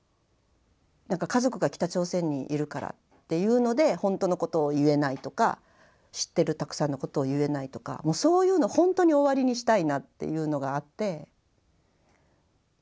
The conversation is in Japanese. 家族が北朝鮮にいるからっていうので本当のことを言えないとか知ってるたくさんのことを言えないとかもうそういうのほんとに終わりにしたいなっていうのがあって。